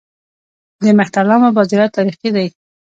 د مهترلام بابا زیارت تاریخي دی